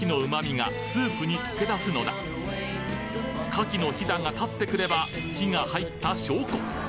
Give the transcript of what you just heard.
牡蠣のヒダが立ってくれば火が入った証拠！